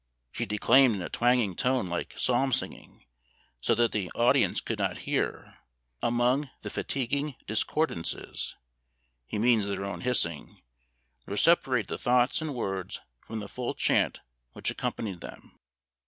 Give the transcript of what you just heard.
She declaimed in a twanging tone like psalm singing; so that the audience could not hear, among the fatiguing discordances (he means their own hissing), nor separate the thoughts and words from the full chant which accompanied them.